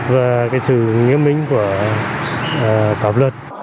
và sự nghiêm minh của hợp luật